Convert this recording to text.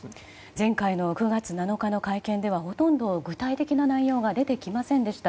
前回の９月７日の会見ではほとんど具体的な内容が出てきませんでした。